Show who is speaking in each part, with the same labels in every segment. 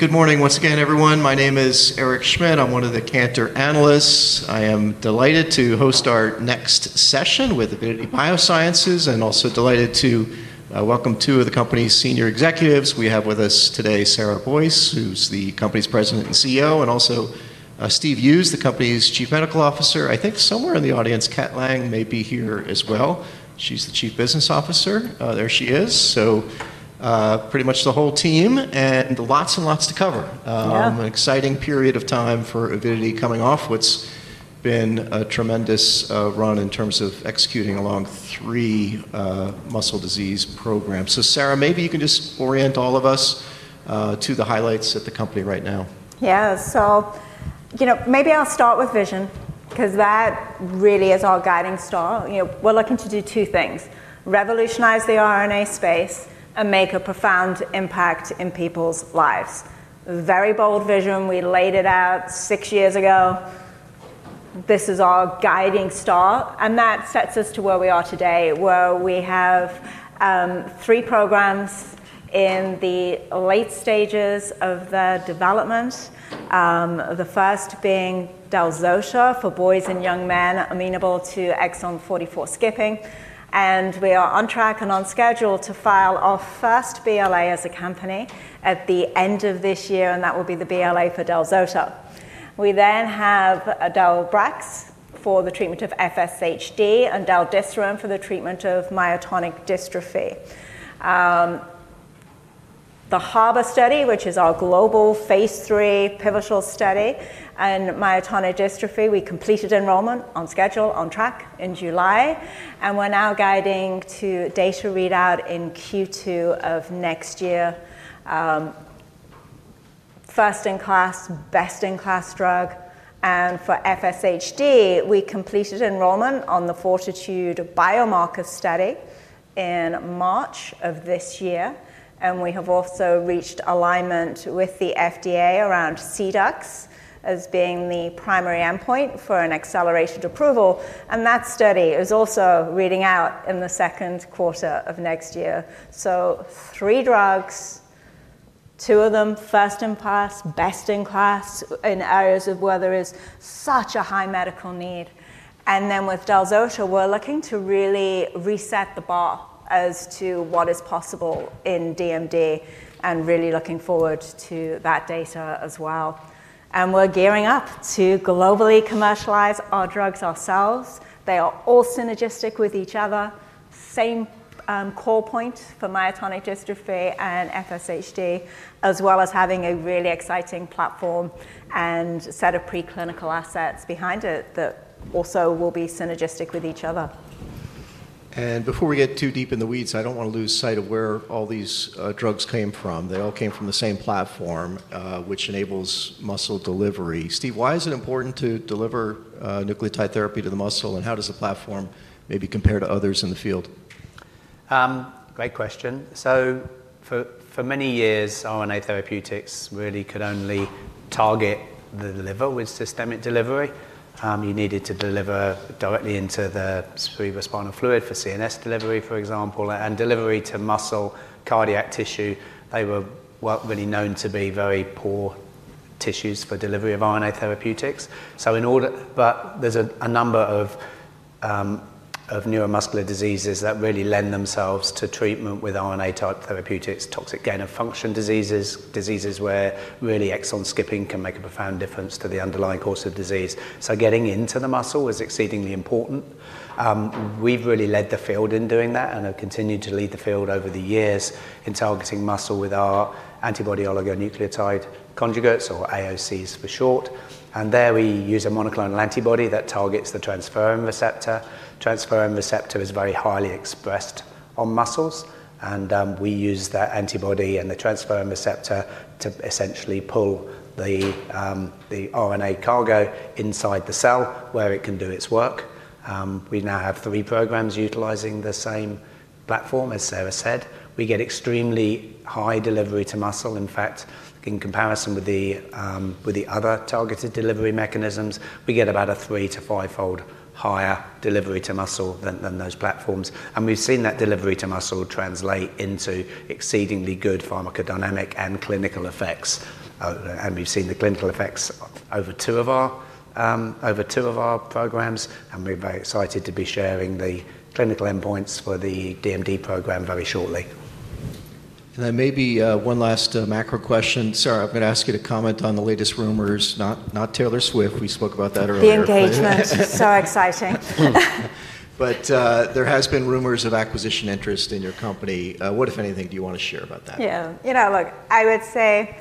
Speaker 1: Good morning once again, everyone. My name is Eric Schmidt. I'm one of the Cantor Analysts. I am delighted to host our next session with Avidity Biosciences and also delighted to welcome two of the company's Senior Executives. We have with us today Sarah Boyce, who's the company's President and CEO, and also Steve Hughes, the company's Chief Medical Officer. I think somewhere in the audience, Kat Lange may be here as well? She's the Chief Business Officer. There she is. So pretty much the whole team and lots and lots to cover.
Speaker 2: Yeah.
Speaker 1: An exciting period of time for Avidity coming off what's been a tremendous run in terms of executing along three muscle disease programs, so Sarah, maybe you can just orient all of us to the highlights at the company right now.
Speaker 2: Yeah. So you know, maybe I'll start with vision because that really is our guiding star. You know, we're looking to do two things: revolutionize the RNA space and make a profound impact in people's lives. Very bold vision. We laid it out six years ago. This is our guiding star. And that sets us to where we are today, where we have three programs in the late stages of the development, the first being del-zota for boys and young men amenable to exon 44 skipping. And we are on track and on schedule to file our first BLA as a company at the end of this year, and that will be the BLA for del-zota. We then have del-brax for the treatment of FSHD and del-desiran for the treatment of myotonic dystrophy. The HARBOR study, which is our global Phase III pivotal study on myotonic dystrophy, we completed enrollment on schedule, on track in July. We're now guiding to data readout in Q2 of next year. first-in-class, best-in-class drug. For FSHD, we completed enrollment on the FORTITUDE biomarker study in March of this year. We have also reached alignment with the FDA around cDUX as being the primary endpoint for an accelerated approval. That study is also reading out in the second quarter of next year. Three drugs, two of them first-in-class, best-in-class in areas where there is such a high medical need. Then with del-zota, we're looking to really reset the bar as to what is possible in DMD and really looking forward to that data as well. We're gearing up to globally commercialize our drugs ourselves. They are all synergistic with each other. Same core point for myotonic dystrophy and FSHD, as well as having a really exciting platform and set of preclinical assets behind it that also will be synergistic with each other.
Speaker 1: And before we get too deep in the weeds, I don't want to lose sight of where all these drugs came from. They all came from the same platform, which enables muscle delivery. Steve, why is it important to deliver nucleotide therapy to the muscle? And how does the platform maybe compare to others in the field?
Speaker 3: Great question. So for many years, RNA therapeutics really could only target the liver with systemic delivery. You needed to deliver directly into the cerebrospinal fluid for CNS delivery, for example, and delivery to muscle cardiac tissue. They were really known to be very poor tissues for delivery of RNA therapeutics. But there's a number of neuromuscular diseases that really lend themselves to treatment with RNA-type therapeutics, toxic gain of function diseases, diseases where really exon skipping can make a profound difference to the underlying cause of disease. So getting into the muscle was exceedingly important. We've really led the field in doing that and have continued to lead the field over the years in targeting muscle with our antibody oligonucleotide conjugates, or AOCs for short. And there we use a monoclonal antibody that targets the transferrin receptor. Transferrin receptor is very highly expressed on muscles. We use that antibody and the transferrin receptor to essentially pull the RNA cargo inside the cell where it can do its work. We now have three programs utilizing the same platform, as Sarah said. We get extremely high delivery to muscle. In fact, in comparison with the other targeted delivery mechanisms, we get about a three- to five-fold higher delivery to muscle than those platforms. We have seen that delivery to muscle translate into exceedingly good pharmacodynamic and clinical effects. We have seen the clinical effects over two of our programs. We are very excited to be sharing the clinical endpoints for the DMD program very shortly.
Speaker 1: Then maybe one last macro question. Sarah, I'm going to ask you to comment on the latest rumors, not Taylor Swift. We spoke about that earlier.
Speaker 2: The engagement. So exciting.
Speaker 1: But there has been rumors of acquisition interest in your company. What, if anything, do you want to share about that?
Speaker 2: Yeah. You know, look, I would say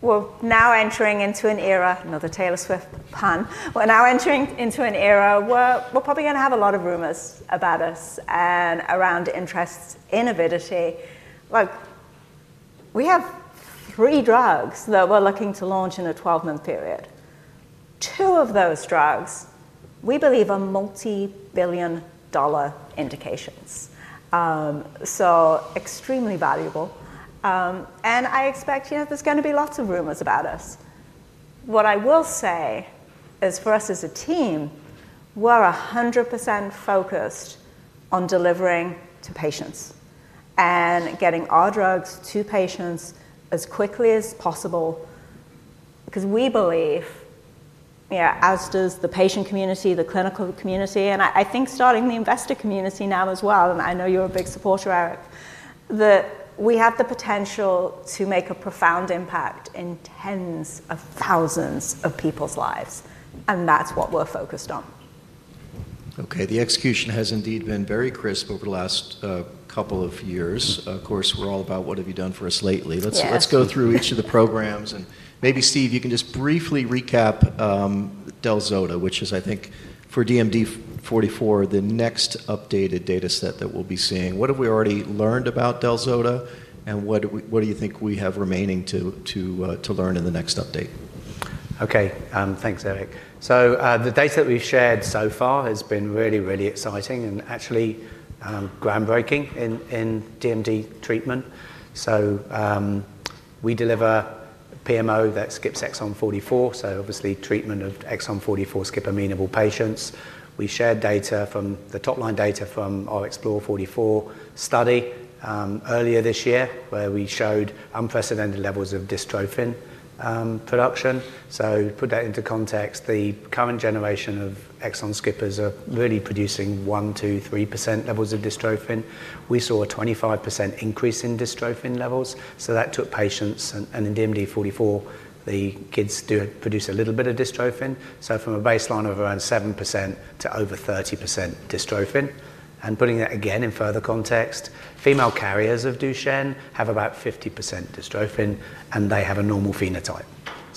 Speaker 2: we're now entering into an era. Another Taylor Swift pun. We're now entering into an era where we're probably going to have a lot of rumors about us and around interests in Avidity. Look, we have three drugs that we're looking to launch in a 12-month period. Two of those drugs we believe are multi-billion dollar indications, so extremely valuable. And I expect there's going to be lots of rumors about us. What I will say is, for us as a team, we're 100% focused on delivering to patients and getting our drugs to patients as quickly as possible because we believe, as does the patient community, the clinical community, and I think starting the investor community now as well, and I know you're a big supporter, Eric, that we have the potential to make a profound impact in tens of thousands of people's lives. And that's what we're focused on.
Speaker 1: OK. The execution has indeed been very crisp over the last couple of years. Of course, we're all about what have you done for us lately. Let's go through each of the programs, and maybe, Steve, you can just briefly recap del-zota, which is, I think, for DMD44, the next updated data set that we'll be seeing. What have we already learned about del-zota, and what do you think we have remaining to learn in the next update?
Speaker 3: OK. Thanks, Eric. So the data that we've shared so far has been really, really exciting and actually groundbreaking in DMD treatment, so we deliver PMO that skips exon 44, so obviously treatment of exon 44 skip amenable patients. We shared data from the top-line data from our EXPLORE44 study earlier this year, where we showed unprecedented levels of dystrophin production, so to put that into context, the current generation of exon skippers are really producing 1%, 2%, 3% levels of dystrophin. We saw a 25% increase in dystrophin levels, so that took patients and in DMD44, the kids do produce a little bit of dystrophin, so from a baseline of around 7% to over 30% dystrophin, and putting that again in further context, female carriers of Duchenne have about 50% dystrophin, and they have a normal phenotype.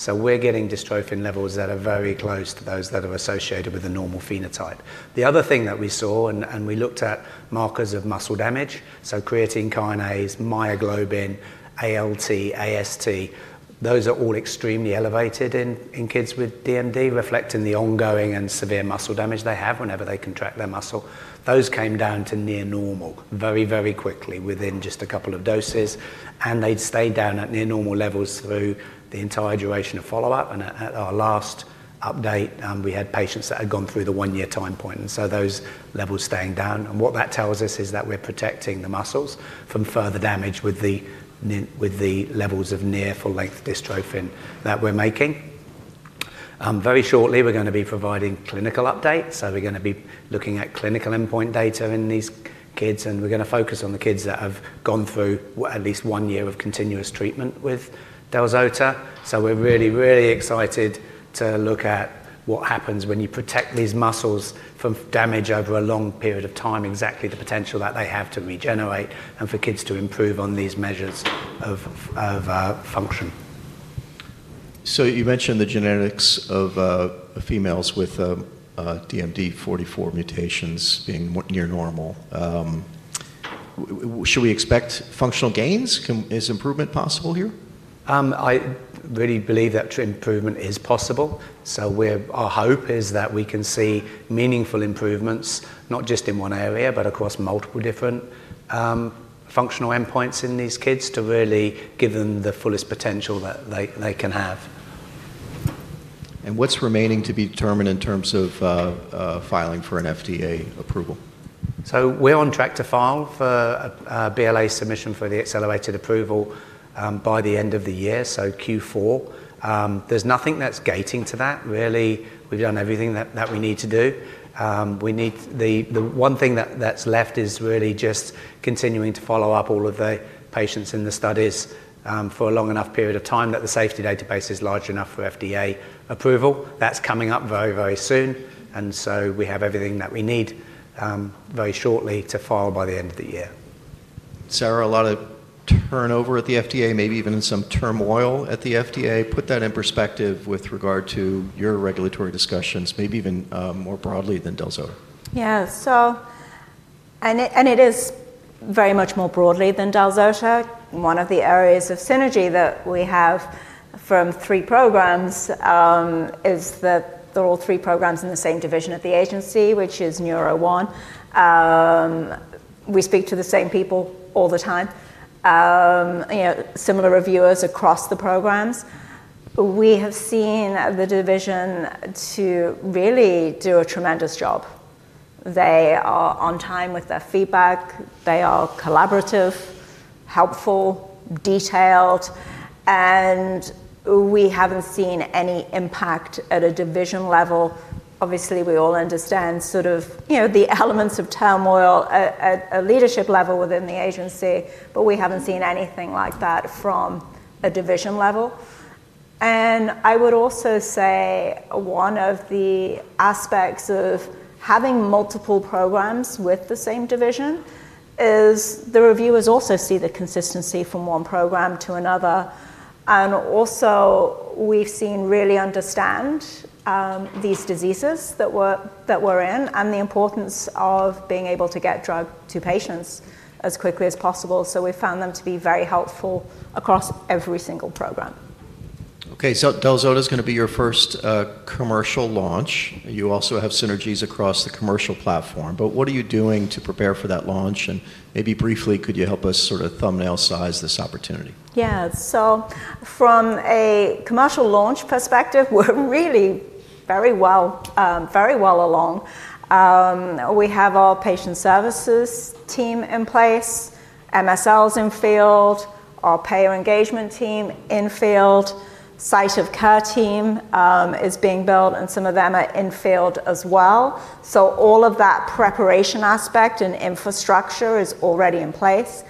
Speaker 3: We're getting dystrophin levels that are very close to those that are associated with a normal phenotype. The other thing that we saw, and we looked at markers of muscle damage, so creatine kinase, myoglobin, ALT, AST, those are all extremely elevated in kids with DMD, reflecting the ongoing and severe muscle damage they have whenever they contract their muscle. Those came down to near normal very, very quickly within just a couple of doses. And they'd stayed down at near normal levels through the entire duration of follow-up. And at our last update, we had patients that had gone through the one-year time point. And so those levels staying down. And what that tells us is that we're protecting the muscles from further damage with the levels of near full-length dystrophin that we're making. Very shortly, we're going to be providing clinical updates. We're going to be looking at clinical endpoint data in these kids. We're going to focus on the kids that have gone through at least one year of continuous treatment with del-zota. We're really, really excited to look at what happens when you protect these muscles from damage over a long period of time, exactly the potential that they have to regenerate and for kids to improve on these measures of function.
Speaker 1: So you mentioned the genetics of females with DMD44 mutations being near normal. Should we expect functional gains? Is improvement possible here?
Speaker 3: I really believe that improvement is possible. So our hope is that we can see meaningful improvements, not just in one area, but across multiple different functional endpoints in these kids to really give them the fullest potential that they can have.
Speaker 1: What's remaining to be determined in terms of filing for an FDA approval?
Speaker 3: So we're on track to file for a BLA submission for the accelerated approval by the end of the year, so Q4. There's nothing that's gating to that, really. We've done everything that we need to do. The one thing that's left is really just continuing to follow up all of the patients in the studies for a long enough period of time that the safety database is large enough for FDA approval. That's coming up very, very soon. And so we have everything that we need very shortly to file by the end of the year.
Speaker 1: Sarah, a lot of turnover at the FDA, maybe even some turmoil at the FDA. Put that in perspective with regard to your regulatory discussions, maybe even more broadly than del-zota.
Speaker 2: Yeah. It is very much more broadly than del-zota. One of the areas of synergy that we have from three programs is that there are all three programs in the same division at the agency, which is Neuro 1. We speak to the same people all the time, similar reviewers across the programs. We have seen the division to really do a tremendous job. They are on time with their feedback. They are collaborative, helpful, detailed. We haven't seen any impact at a division level. Obviously, we all understand sort of the elements of turmoil at a leadership level within the agency. We haven't seen anything like that from a division level. One of the aspects of having multiple programs with the same division is the reviewers also see the consistency from one program to another. Also, we have to really understand these diseases that we're in and the importance of being able to get drug to patients as quickly as possible. We found them to be very helpful across every single program.
Speaker 1: Okay, so del-zota is going to be your first commercial launch. You also have synergies across the commercial platform. But what are you doing to prepare for that launch? And maybe briefly, could you help us sort of thumbnail size this opportunity?
Speaker 2: Yeah. So from a commercial launch perspective, we're really very well along. We have our patient services team in place, MSLs in field, our payer engagement team in field, site of care team is being built. And some of them are in field as well. So all of that preparation aspect and infrastructure is already in place.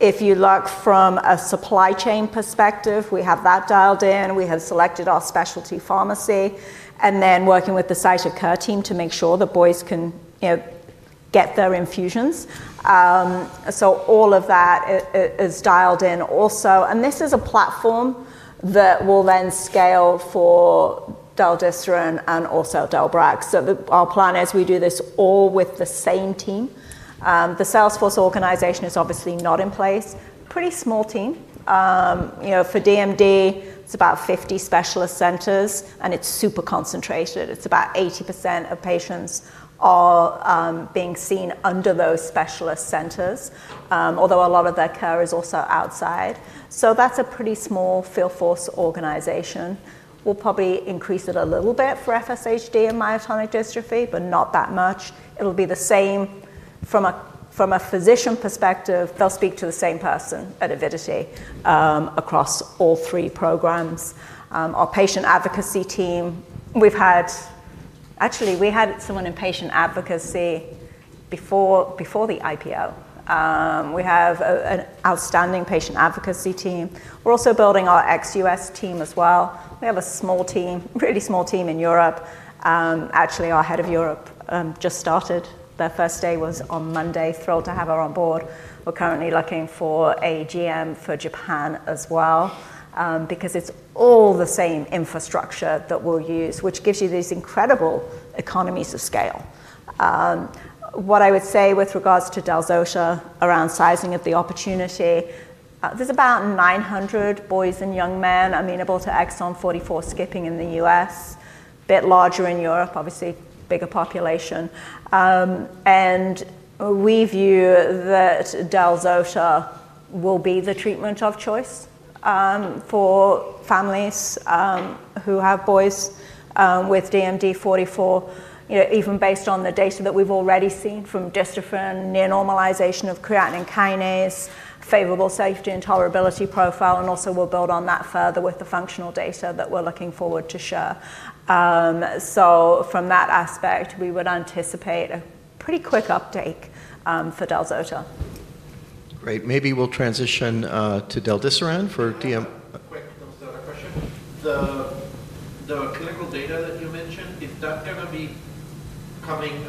Speaker 2: If you look from a supply chain perspective, we have that dialed in. We have selected our specialty pharmacy and then working with the site of care team to make sure the boys can get their infusions. So all of that is dialed in also. And this is a platform that will then scale for del-zota and also del-brax. So our plan is we do this all with the same team. The sales force organization is obviously not in place. Pretty small team. For DMD, it's about 50 specialist centers. And it's super concentrated. It's about 80% of patients are being seen under those specialist centers, although a lot of their care is also outside. So that's a pretty small field force organization. We'll probably increase it a little bit for FSHD and myotonic dystrophy, but not that much. It'll be the same from a physician perspective. They'll speak to the same person at Avidity across all three programs. Our patient advocacy team, we've had actually, we had someone in patient advocacy before the IPO. We have an outstanding patient advocacy team. We're also building our ex-U.S. team as well. We have a small team, really small team in Europe. Actually, our head of Europe just started. Their first day was on Monday. Thrilled to have her on board. We're currently looking for a GM for Japan as well because it's all the same infrastructure that we'll use, which gives you these incredible economies of scale. What I would say with regards to del-zota, around sizing of the opportunity, there's about 900 boys and young men amenable to exon 44 skipping in the U.S., a bit larger in Europe, obviously bigger population, and we view that del-zota will be the treatment of choice for families who have boys with DMD44, even based on the data that we've already seen from dystrophin, near normalization of creatine kinase, favorable safety and tolerability profile, and also we'll build on that further with the functional data that we're looking forward to share, so from that aspect, we would anticipate a pretty quick update for del-zota.
Speaker 1: Great. Maybe we'll transition to del-desiran for. Quick, just another question. The clinical data that you mentioned, is that going to be coming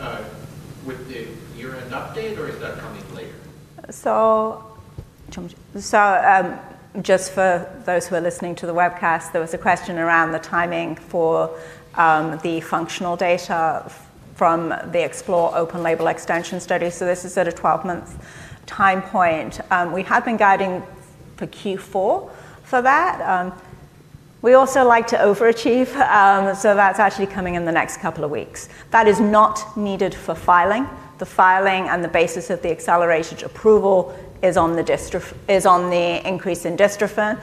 Speaker 1: with the year-end update, or is that coming later?
Speaker 2: Just for those who are listening to the webcast, there was a question around the timing for the functional data from the EXPLORE Open-Label Extension study. This is at a 12-month time point. We had been guiding for Q4 for that. We also like to overachieve. That's actually coming in the next couple of weeks. That is not needed for filing. The filing and the basis of the accelerated approval is on the increase in dystrophin.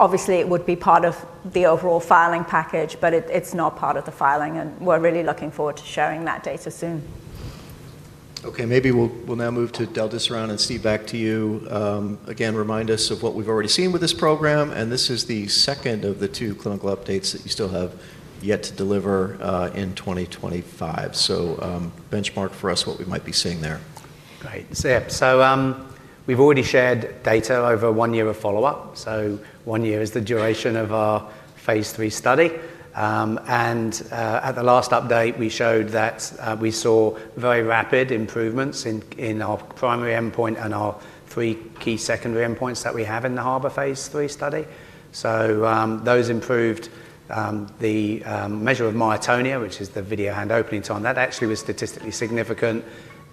Speaker 2: Obviously, it would be part of the overall filing package, but it's not part of the filing, and we're really looking forward to sharing that data soon.
Speaker 1: OK. Maybe we'll now move to del-zota and Steve, back to you. Again, remind us of what we've already seen with this program. And this is the second of the two clinical updates that you still have yet to deliver in 2025. So benchmark for us what we might be seeing there.
Speaker 3: Great. So we've already shared data over one year of follow-up. So one year is the duration of our Phase III study. And at the last update, we showed that we saw very rapid improvements in our primary endpoint and our three key secondary endpoints that we have in the HARBOR Phase III study. So those improved the measure of myotonia, which is the Video Hand Opening time. That actually was statistically significant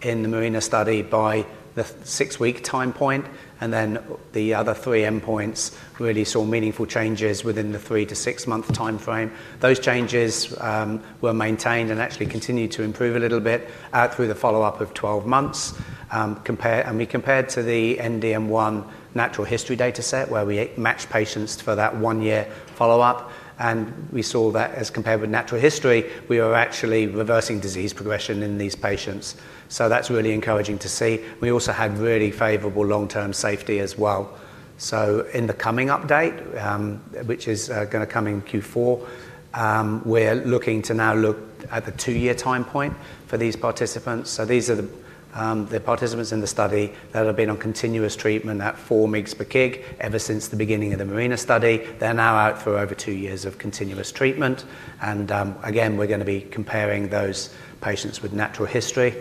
Speaker 3: in MARINA study by the six-week time point. And then the other three endpoints really saw meaningful changes within the three to six-month time frame. Those changes were maintained and actually continued to improve a little bit through the follow-up of 12 months. And we compared to the DM1 natural history data set where we matched patients for that one-year follow-up. And we saw that as compared with natural history, we were actually reversing disease progression in these patients. So that's really encouraging to see. We also had really favorable long-term safety as well. So in the coming update, which is going to come in Q4, we're looking to now look at the two-year time point for these participants. So these are the participants in the study that have been on continuous treatment at 4 mg per kg ever since the beginning of MARINA study. They're now out for over two years of continuous treatment. And again, we're going to be comparing those patients with natural history.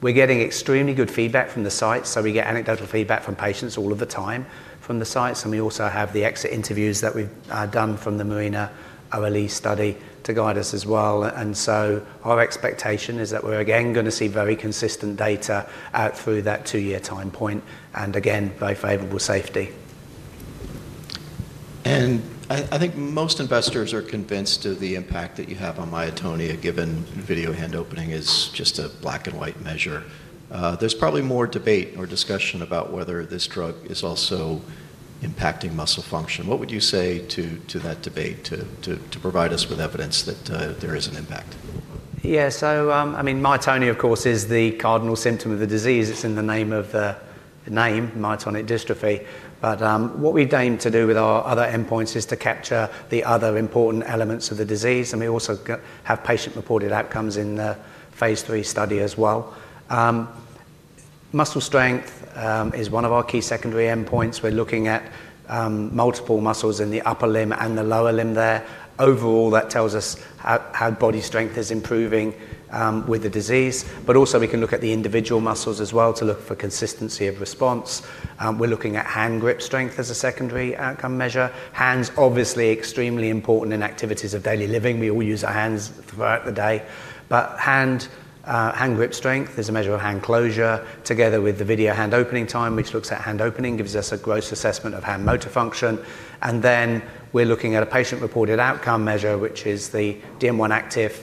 Speaker 3: We're getting extremely good feedback from the sites. So we get anecdotal feedback from patients all of the time from the sites. And we also have the exit interviews that we've done from MARINA study to guide us as well. Our expectation is that we're again going to see very consistent data through that two-year time point and again, very favorable safety.
Speaker 1: And I think most investors are convinced of the impact that you have on myotonia, given Video Hand Opening is just a black-and-white measure. There's probably more debate or discussion about whether this drug is also impacting muscle function. What would you say to that debate to provide us with evidence that there is an impact?
Speaker 3: Yeah. So I mean, myotonia, of course, is the cardinal symptom of the disease. It's in the name, myotonic dystrophy. But what we've aimed to do with our other endpoints is to capture the other important elements of the disease. And we also have patient-reported outcomes in the Phase III study as well. Muscle strength is one of our key secondary endpoints. We're looking at multiple muscles in the upper limb and the lower limb there. Overall, that tells us how body strength is improving with the disease. But also, we can look at the individual muscles as well to look for consistency of response. We're looking at hand grip strength as a secondary outcome measure. Hands, obviously, extremely important in activities of daily living. We all use our hands throughout the day. But hand grip strength is a measure of hand closure together with the Video Hand Opening time, which looks at hand opening, gives us a gross assessment of hand motor function. And then we're looking at a patient-reported outcome measure, which is the DM1-Activ,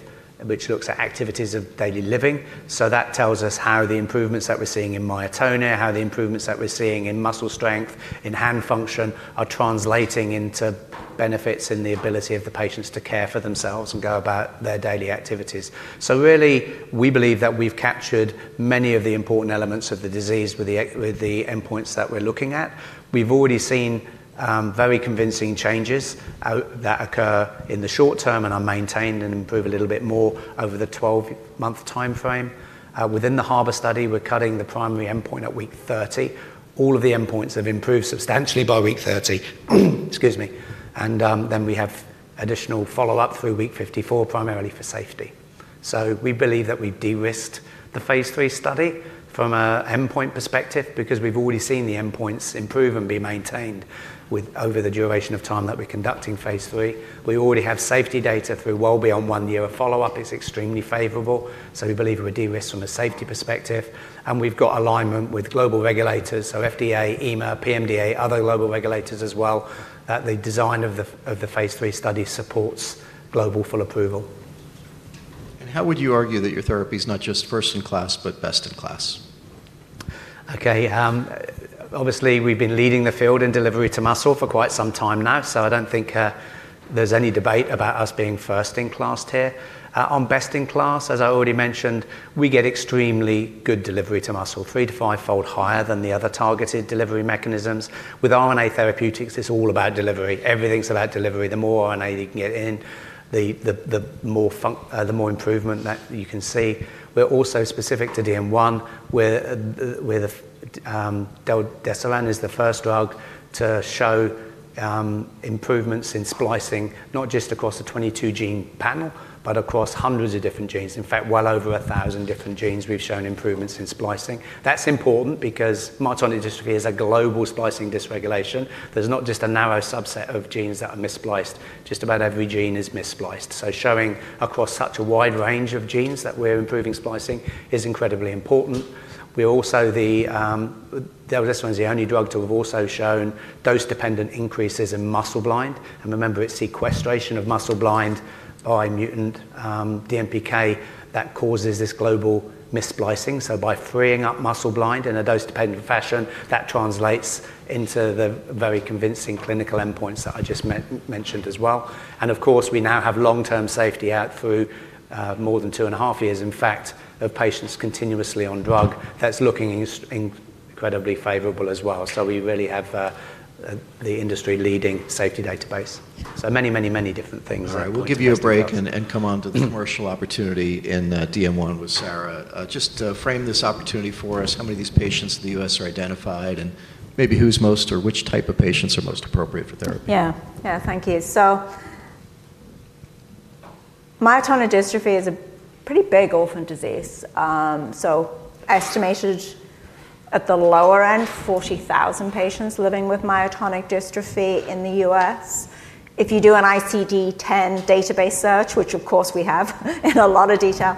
Speaker 3: which looks at activities of daily living. So that tells us how the improvements that we're seeing in myotonia, how the improvements that we're seeing in muscle strength, in hand function, are translating into benefits in the ability of the patients to care for themselves and go about their daily activities. So really, we believe that we've captured many of the important elements of the disease with the endpoints that we're looking at. We've already seen very convincing changes that occur in the short term and are maintained and improve a little bit more over the 12-month time frame. Within the HARBOR study, we're cutting the primary endpoint at week 30. All of the endpoints have improved substantially by week 30. Excuse me. And then we have additional follow-up through week 54, primarily for safety. So we believe that we've de-risked the Phase III study from an endpoint perspective because we've already seen the endpoints improve and be maintained over the duration of time that we're conducting Phase III. We already have safety data through well beyond one year. A follow-up is extremely favorable. So we believe we're de-risked from a safety perspective. And we've got alignment with global regulators, so FDA, EMA, PMDA, other global regulators as well, that the design of the Phase III study supports global full approval.
Speaker 1: How would you argue that your therapy is not just first-in-class, but best-in-class?
Speaker 3: OK. Obviously, we've been leading the field in delivery to muscle for quite some time now. So I don't think there's any debate about us being first-in-class here. On best-in-class, as I already mentioned, we get extremely good delivery to muscle, three- to five-fold higher than the other targeted delivery mechanisms. With RNA therapeutics, it's all about delivery. Everything's about delivery. The more RNA you can get in, the more improvement that you can see. We're also specific to DM1, where del-desiran is the first drug to show improvements in splicing, not just across a 22-gene panel, but across hundreds of different genes. In fact, well over 1,000 different genes, we've shown improvements in splicing. That's important because myotonic dystrophy is a global splicing dysregulation. There's not just a narrow subset of genes that are misspliced. Just about every gene is misspliced. Showing across such a wide range of genes that we're improving splicing is incredibly important. Del-desiran is the only drug to have also shown dose-dependent increases in Muscleblind. And remember, it's sequestration of Muscleblind by mutant DMPK that causes this global mis-splicing. So by freeing up Muscleblind in a dose-dependent fashion, that translates into the very convincing clinical endpoints that I just mentioned as well. And of course, we now have long-term safety out through more than two and a half years, in fact, of patients continuously on drug. That's looking incredibly favorable as well. So we really have the industry-leading safety database. So many, many, many different things.
Speaker 1: All right. We'll give you a break and come on to the commercial opportunity in DM1 with Sarah. Just frame this opportunity for us. How many of these patients in the U.S. are identified? And maybe who's most or which type of patients are most appropriate for therapy?
Speaker 2: Yeah. Yeah, thank you. So myotonic dystrophy is a pretty big orphan disease. So estimated at the lower end, 40,000 patients living with myotonic dystrophy in the U.S. If you do an ICD-10 database search, which of course we have in a lot of detail,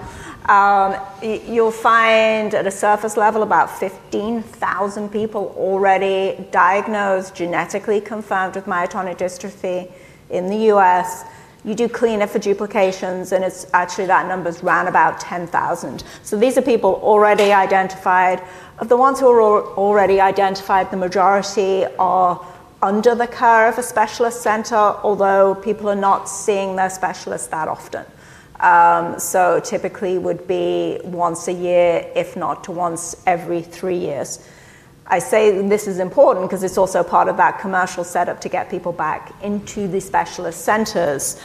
Speaker 2: you'll find at a surface level about 15,000 people already diagnosed, genetically confirmed with myotonic dystrophy in the U.S. You do cleanup for duplications, and it's actually that number's round about 10,000. So these are people already identified. Of the ones who are already identified, the majority are under the care of a specialist center, although people are not seeing their specialist that often. So typically would be once a year, if not down to once every three years. I say this is important because it's also part of that commercial setup to get people back into the specialist centers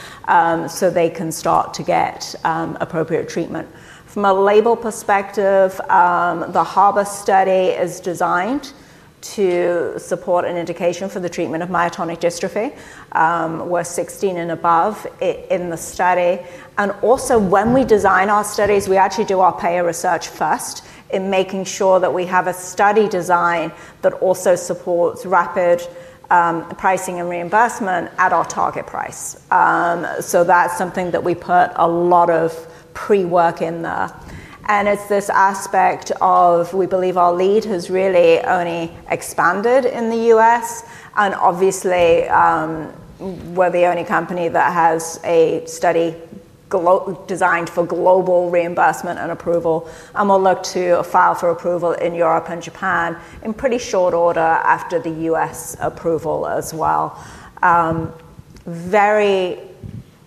Speaker 2: so they can start to get appropriate treatment. From a label perspective, the HARBOR study is designed to support an indication for the treatment of myotonic dystrophy. We're 16 and above in the study. And also, when we design our studies, we actually do our payer research first in making sure that we have a study design that also supports rapid pricing and reimbursement at our target price. So that's something that we put a lot of pre-work in there. And it's this aspect of we believe our lead has really only expanded in the U.S. And obviously, we're the only company that has a study designed for global reimbursement and approval. And we'll look to file for approval in Europe and Japan in pretty short order after the U.S. approval as well.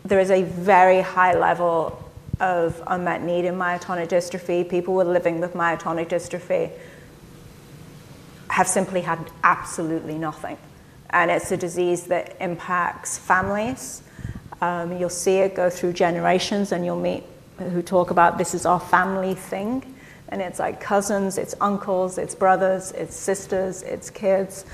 Speaker 2: There is a very high level of unmet need in myotonic dystrophy. People who are living with myotonic dystrophy have simply had absolutely nothing. And it's a disease that impacts families. You'll see it go through generations. And you'll meet who talk about this is our family thing. And it's like cousins, it's uncles, it's brothers, it's sisters, it's kids.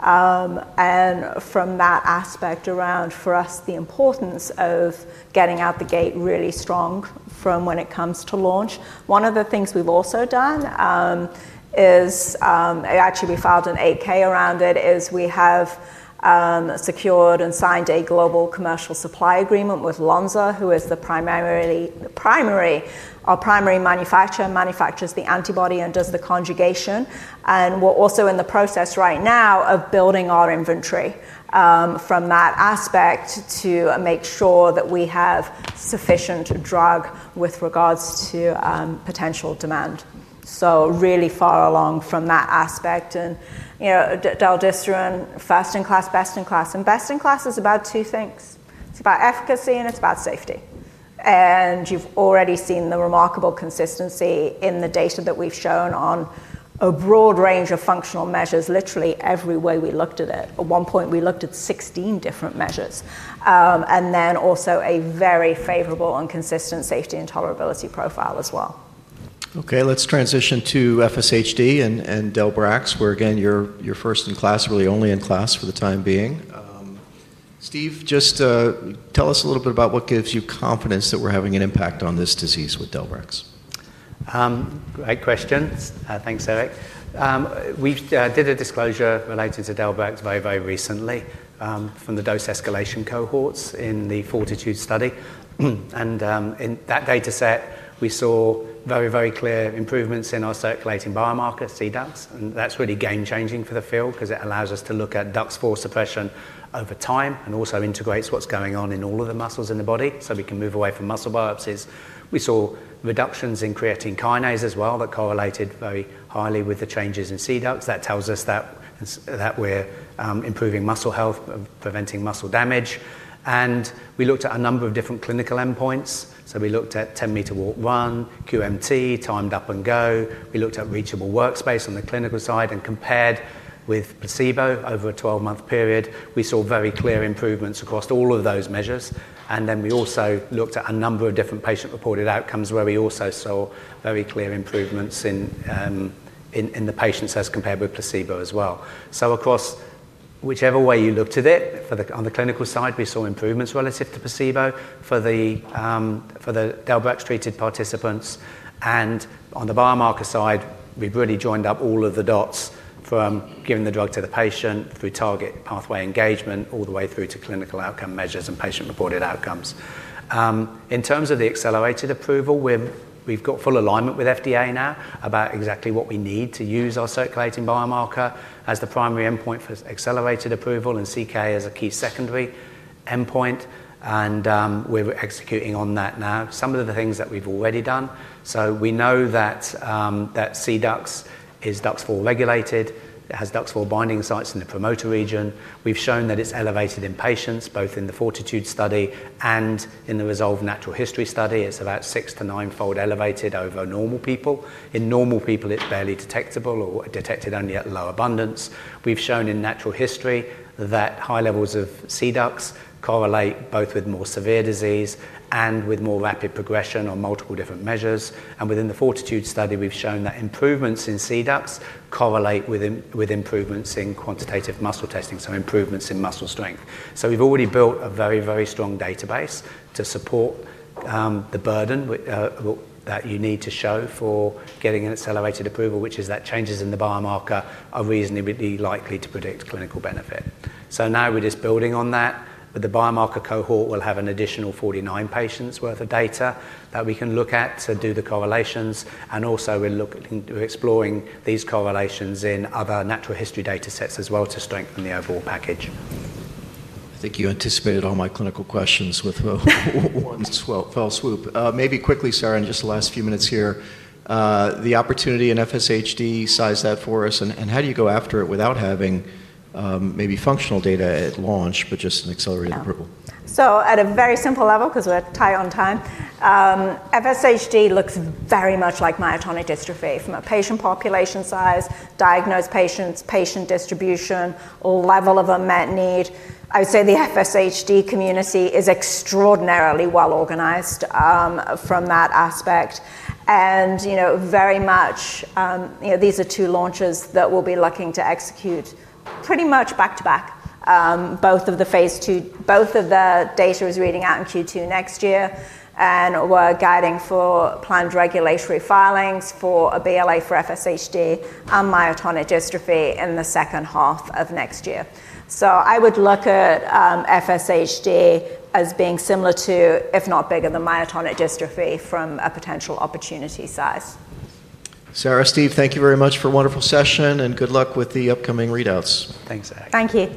Speaker 2: And from that aspect around for us the importance of getting out the gate really strong from when it comes to launch. One of the things we've also done is actually we filed an 8-K around it is we have secured and signed a global commercial supply agreement with Lonza, who is the primary manufacturer, manufactures the antibody and does the conjugation. And we're also in the process right now of building our inventory from that aspect to make sure that we have sufficient drug with regards to potential demand. So really far along from that aspect. And del-zota, first-in-class, best-in-class. And best-in-class is about two things. It's about efficacy, and it's about safety. And you've already seen the remarkable consistency in the data that we've shown on a broad range of functional measures, literally every way we looked at it. At one point, we looked at 16 different measures. And then also a very favorable and consistent safety and tolerability profile as well.
Speaker 1: OK. Let's transition to FSHD and del-brax, where again, you're first-in-class, really only in class for the time being. Steve, just tell us a little bit about what gives you confidence that we're having an impact on this disease with del-brax.
Speaker 3: Great question. Thanks, Eric. We did a disclosure related to del-brax very, very recently from the dose escalation cohorts in the FORTITUDE study, and in that data set, we saw very, very clear improvements in our circulating biomarker, cDUX, and that's really game-changing for the field because it allows us to look at DUX4 suppression over time and also integrates what's going on in all of the muscles in the body so we can move away from muscle biopsies. We saw reductions in creatine kinase as well that correlated very highly with the changes in cDUX. That tells us that we're improving muscle health, preventing muscle damage, and we looked at a number of different clinical endpoints, so we looked at 10-Meter Walk/Run, QMT, Timed Up and Go. We looked at Reachable Workspace on the clinical side and compared with placebo over a 12-month period. We saw very clear improvements across all of those measures. And then we also looked at a number of different patient-reported outcomes where we also saw very clear improvements in the patients as compared with placebo as well. So across whichever way you looked at it, on the clinical side, we saw improvements relative to placebo for the del-brax-treated participants. And on the biomarker side, we've really joined up all of the dots from giving the drug to the patient through target pathway engagement all the way through to clinical outcome measures and patient-reported outcomes. In terms of the accelerated approval, we've got full alignment with FDA now about exactly what we need to use our circulating biomarker as the primary endpoint for accelerated approval and CK as a key secondary endpoint. And we're executing on that now, some of the things that we've already done. So we know that cDUX is DUX4 regulated. It has DUX4 binding sites in the promoter region. We've shown that it's elevated in patients, both in the FORTITUDE study and in the ReSolve natural history study. It's about six- to nine-fold elevated over normal people. In normal people, it's barely detectable or detected only at low abundance. We've shown in natural history that high levels of cDUX correlate both with more severe disease and with more rapid progression on multiple different measures. And within the FORTITUDE study, we've shown that improvements in cDUX correlate with improvements in quantitative muscle testing, so improvements in muscle strength. So we've already built a very, very strong database to support the burden that you need to show for getting an accelerated approval, which is that changes in the biomarker are reasonably likely to predict clinical benefit. So now we're just building on that. The biomarker cohort will have an additional 49 patients' worth of data that we can look at to do the correlations, and also, we're exploring these correlations in other natural history data sets as well to strengthen the overall package.
Speaker 1: I think you anticipated all my clinical questions with one fell swoop. Maybe quickly, Sarah, in just the last few minutes here, the opportunity in FSHD, size that for us, and how do you go after it without having maybe functional data at launch, but just an accelerated approval?
Speaker 2: So at a very simple level, because we're tight on time, FSHD looks very much like myotonic dystrophy from a patient population size, diagnosed patients, patient distribution, or level of unmet need. I would say the FSHD community is extraordinarily well organized from that aspect. And very much, these are two launches that we'll be looking to execute pretty much back-to-back, both of the Phase II, both of the data is reading out in Q2 next year. And we're guiding for planned regulatory filings for a BLA for FSHD on myotonic dystrophy in the second half of next year. So I would look at FSHD as being similar to, if not bigger than myotonic dystrophy from a potential opportunity size.
Speaker 1: Sarah, Steve, thank you very much for a wonderful session. Good luck with the upcoming readouts.
Speaker 3: Thanks, Eric.
Speaker 2: Thank you.